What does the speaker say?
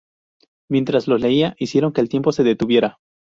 Mientras los leía, hicieron que el tiempo se detuviera.